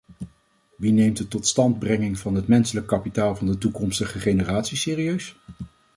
Wie neemt de totstandbrenging van het menselijk kapitaal van de toekomstige generaties serieus?